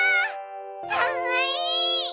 かわいい！